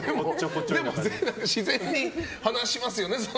でも自然に話しますよね。